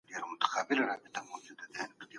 خواږه یاران وه پیالې د مُلو